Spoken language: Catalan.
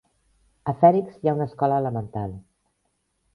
A Phoenix hi ha una escola elemental.